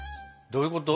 どういうこと？